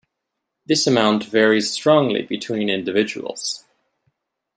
This amount varies strongly between individuals.